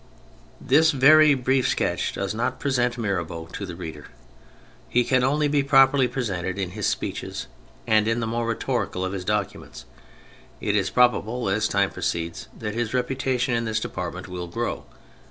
This very brief sketch does not present Mirabeau to the reader. He can only be properly presented in his speeches and in the more rhetorical of his documents. It is prob able as time proceeds that his reputation in this department will grow.